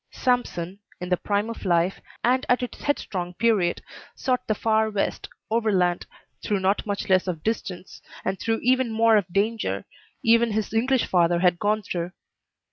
Sampson, in the prime of life, and at its headstrong period, sought the far West, overland, through not much less of distance, and through even more of danger, than his English father had gone through.